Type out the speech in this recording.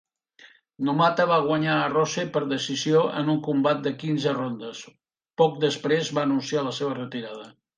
Numata va guanyar a Rose per decisió en un combat de quinze rondes; poc després va anunciar la seva retirada.